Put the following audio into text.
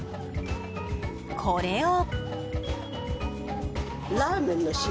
これを。